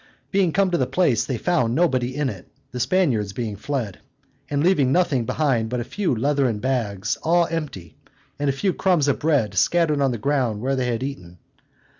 Being come to the place, they found nobody in it, the Spaniards being fled, and leaving nothing behind but a few leathern bags, all empty, and a few crumbs of bread scattered on the ground where they had eaten.